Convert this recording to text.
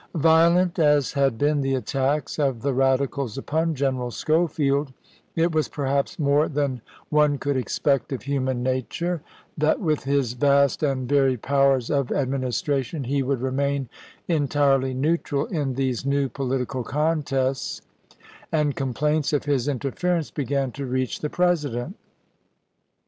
Violent as had been the attacks of the Radicals upon General Schofield, it was perhaps more than one could expect of human nature that with his vast and varied powers of administration he would remain entirely neutral in these new political contests ; and complaints of his interference began to reach the President.